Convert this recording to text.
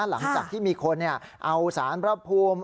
หลังจากที่มีคนเอาสารพระภูมิ